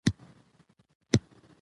مهمه او ارزښتناکه برخه جوړوي.